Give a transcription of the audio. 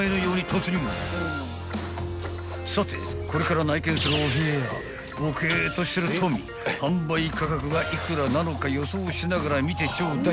［さてこれから内見するお部屋ボケっとしてるトミー販売価格が幾らなのか予想しながら見てちょうだい］